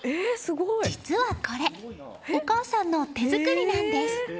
実はこれお母さんの手作りなんです。